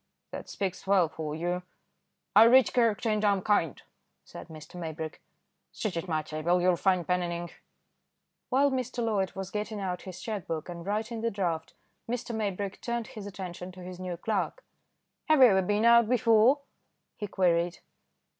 "That speaks well for you." "I read character, and I'm kind," said Mr. Maybrick. "Sit at my table, you'll find pen and ink." While Mr. Loyd was getting out his cheque book and writing the draft, Mr. Maybrick turned his attention to his new clerk. "Have you ever been out before?" he queried.